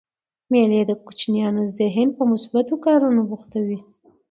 مېلې د کوچنيانو ذهن په مثبتو کارو بوختوي.